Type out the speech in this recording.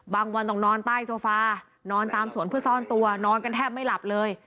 วันต้องนอนใต้โซฟานอนตามสวนเพื่อซ่อนตัวนอนกันแทบไม่หลับเลย